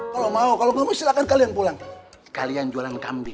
kalau mau kalau kamu silahkan kalian pulang kalian jualan kambing